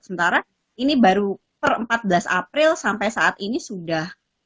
sementara ini baru per empat belas april sampai saat ini sudah